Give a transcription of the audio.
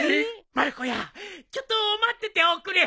まる子やちょっと待ってておくれ。